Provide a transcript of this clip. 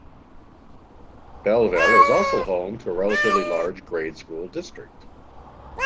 Belleville is also home to a relatively large grade school district.